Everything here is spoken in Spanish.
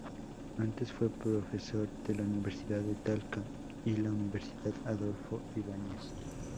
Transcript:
Antes fue profesor de la Universidad de Talca y la Universidad Adolfo Ibáñez.